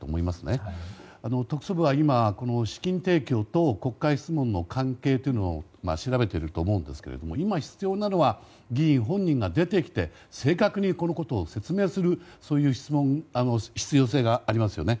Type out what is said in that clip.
今、特捜部は資金提供と国会質問の関係を調べてもらっているんですけど今、必要なのは議員本人が出てきて正確にこのことを説明する必要性がありますよね。